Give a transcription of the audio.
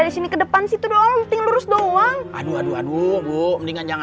disini ke depan situ doang tinggal terus doang aduh aduh aduh bu mendingan jangan